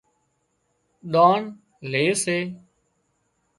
ۮان لي سي